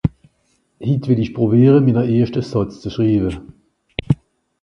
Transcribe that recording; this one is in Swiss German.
Het well i pràwiara, mina erschta Sàtz zu schriwa.